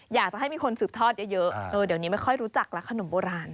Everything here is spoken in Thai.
อยากจะให้มีคนสืบทอดเยอะเดี๋ยวนี้ไม่ค่อยรู้จักแล้วขนมโบราณ